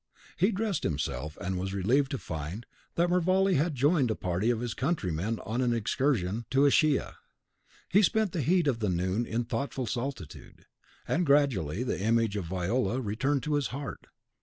He dressed himself, and was relieved to find that Mervale had joined a party of his countrymen on an excursion to Ischia. He spent the heat of noon in thoughtful solitude, and gradually the image of Viola returned to his heart.